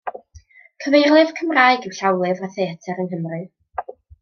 Cyfeirlyfr Cymraeg yw Llawlyfr y Theatr yng Nghymru.